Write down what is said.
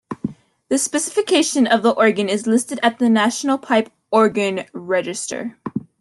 The specification of the organ is listed at the National Pipe Organ Register.